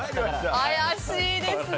怪しいですね。